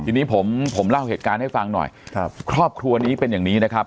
ทีนี้ผมผมเล่าเหตุการณ์ให้ฟังหน่อยครับครอบครัวนี้เป็นอย่างนี้นะครับ